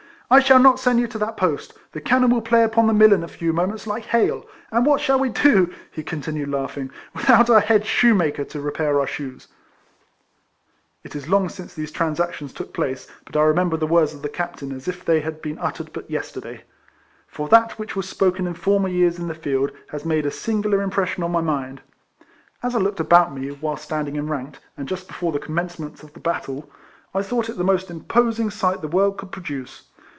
" I shall not send you to that post. The cannon will play upon the mill in a few moments like hail ; and what shall we do," he continued, laughing, " without our head shoemaker to repair our shoes ?" It is long since these transactions took place. But I remember the words of the RIFLEMAN HARRIS. 55 Captain as if they had been uttered but yesterday; for that which was spoken in former years in the field, has made a singular impression on my mind. As 1 looked about me, whilst standing enranked, and just before the commencement of the battle, I thought it the most imposing sight the world could produce.